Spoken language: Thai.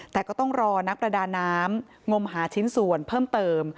แต่ก็ต้องรอนักประดาน้ำงมหาชิ้นส่วนเพิ่มเติม